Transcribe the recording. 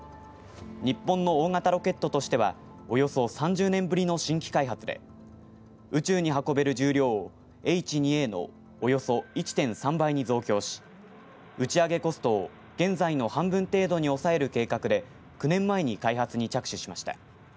日本の大型ロケットとしてはおよそ３０年ぶりの新規開発で宇宙に運べる重量をＨ２Ａのおよそ１．３倍に増強し打ち上げコストを現在の半分程度に抑える計画で９年前に開発に着手しました。